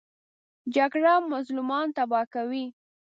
جګړه مظلومان تباه کوي